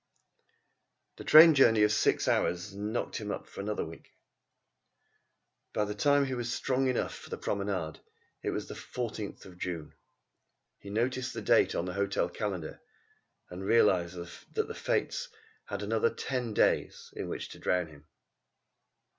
The train journey of six hours knocked him up for another week. By the time he was strong enough for the promenade it was the fourteenth of June. He noticed the date on the hotel calendar, and realised that the Fates had another ten days in which to drown him.